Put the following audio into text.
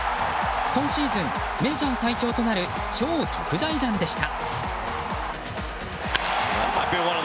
今シーズンメジャー最長となる超特大弾でした。